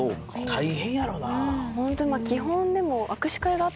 大変やろうな。